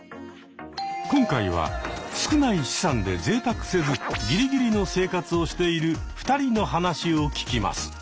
今回は少ない資産でぜいたくせずギリギリの生活をしている２人の話を聞きます。